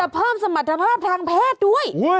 สมรรถภาพทางแพทย์ด้วย